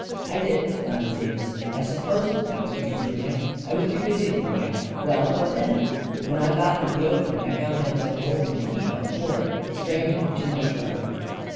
"I did," nodded Davis; "I supposed that was what you were doing. I was too busy to look out. Well, what then?" " When I got through the opening, I found Mile. Roland in a heap on the floor. The strain had been too much for her."